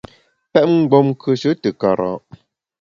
Pèt mgbom nkùeshe te kara’ !